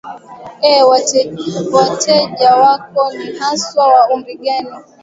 ee weteja wako ni haswa wa umri gani